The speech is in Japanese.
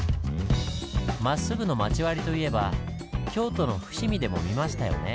まっすぐの町割りといえば京都の伏見でも見ましたよね。